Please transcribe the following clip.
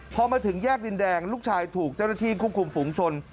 พอมาถึงแยกดินแดงลูกชายถูกเจ้าหน้าที่ควบคุมฝุงชน